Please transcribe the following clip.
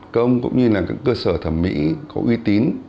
công cũng như là các cơ sở thẩm mỹ có uy tín